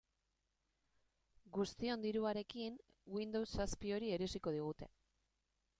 Guztion diruarekin Windows zazpi hori erosiko digute.